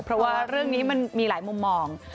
เพราะว่าเรื่องนี้มันมีหลายมุมมอง